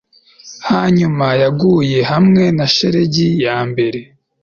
Hanyuma yaguye hamwe na shelegi yambere